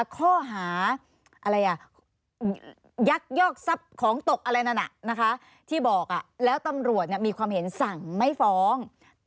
ข้อหายักยอกทรัพย์ของตกอะไรนั้นที่บอกแล้วตำรวจมีความเห็นสั่งไม่ฟ้อง